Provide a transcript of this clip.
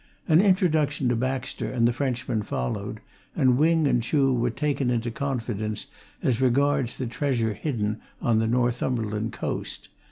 An introduction to Baxter and the Frenchman followed, and Wing and Chuh were taken into confidence as regards the treasure hidden on the Northumberland coast.